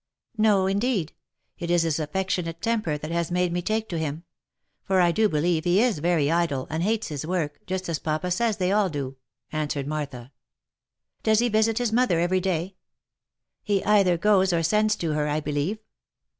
" No, indeed ! It is his affectionate temper that has made me take to him ; for I do believe he is very idle, and hates his work, just as papa says they all do," answered Martha. " Does he visit his mother every day ?"" He either goes or sends to her, I believe.